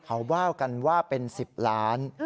เขาว่ากันว่าเป็น๑๐ล้าน